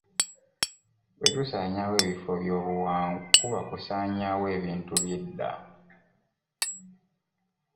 Bwe tusaanyawo ebifo byobuwangwa kuba kusaanyaawo ebintu eby'edda.